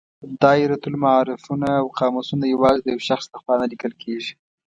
دایرة المعارفونه او قاموسونه یوازې د یو شخص له خوا نه لیکل کیږي.